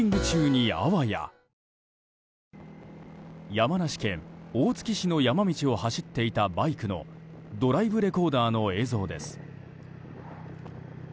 山梨県大月市の山道を走っていたバイクのドライブレコーダーの映像です。